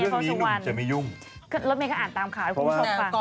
แต่ก่อนจะเข้ารายการเมื่อกี้ยุ่งมากเลยนะ